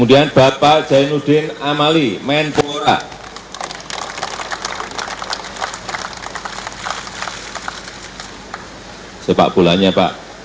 yang ke tiga puluh lima bapak jendral urnagaran muldoko kepala staf kepresidenan